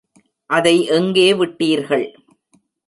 அதை எங்கே விட்டீர்கள்?